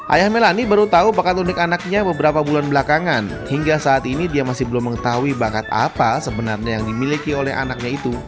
ayah melani baru tahu bakat unik anaknya beberapa bulan belakangan hingga saat ini dia masih belum mengetahui bakat apa sebenarnya yang dimiliki oleh anaknya itu